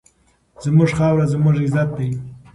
زموږ خاوره زموږ عزت دی.